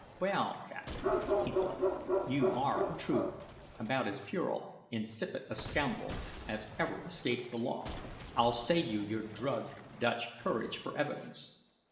"Well, captain," he thought, "you are, in truth, about as puerile, insipid a scoundrel as ever escaped the law. I'll save you your drugged Dutch courage for evidence."